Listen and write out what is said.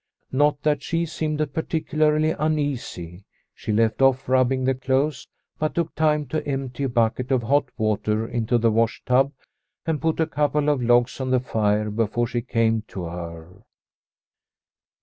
Not that she seemed particularly uneasy. She left off rubbing the clothes, but took time to empty a bucket of hot water into the wash tub and put a couple of logs on the fire before she came to her.